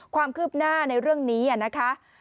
ความคืบหน้าในเรื่องนี้นะคะ